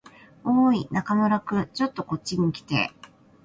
おーい、中村君。ちょっとこっちに来て。